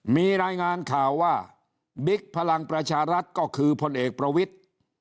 มีรายงานข่าวว่าบิ๊กพลังประชารัฐก็คือพลเอกประวิทธิ์